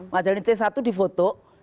ngajarin c satu di foto